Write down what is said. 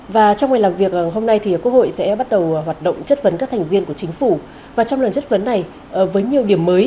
và trong ngày làm việc hôm nay quốc hội sẽ bắt đầu hoạt động chất vấn các thành viên của chính phủ